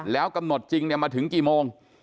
แล้วกำหนดจริงมาถึงกี่โมง